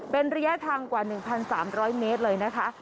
เป็นระยะทางกว่า๑๓๐๐เมตรเลยนะคะ